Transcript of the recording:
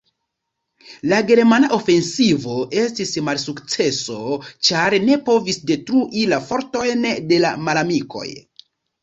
La germana ofensivo estis malsukceso, ĉar ne povis detrui la fortojn de la malamikoj.